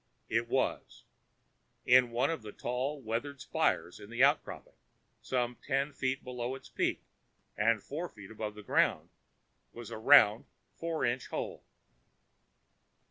It was. In one of the tall, weathered spires in the outcropping, some ten feet below its peak and four feet above the ground, was a round four inch hole.